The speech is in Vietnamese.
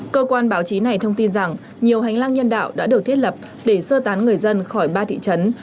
cơ quan báo chí này thông tin rằng nhiều hành lang nhân đạo đã được thiết lập để sơ tán người dân khỏi ba thị trấn